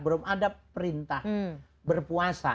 belum ada perintah berpuasa